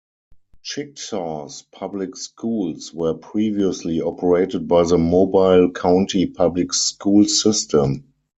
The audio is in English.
Chicksaw's public schools were previously operated by the Mobile County Public School System.